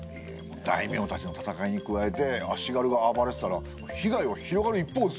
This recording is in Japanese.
大名たちの戦いに加えて足軽が暴れてたら被害は広がる一方ですよ。